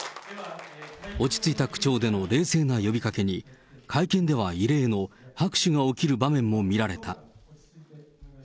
落ち着いた口調での冷静な呼びかけに、会見では異例の拍手が起きる場面も見られた。